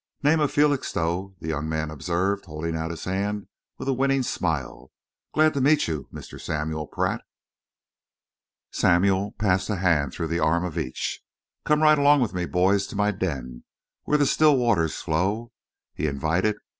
"Name of Felixstowe," the young man observed, holding out his hand with a winning smile. "Glad to meet you, Mr. Samuel Pratt." Samuel passed a hand through the arm of each. "Come right along with me, boys, to my den, where the still waters flow," he invited.